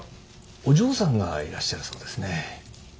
お嬢さんがいらっしゃるそうですね。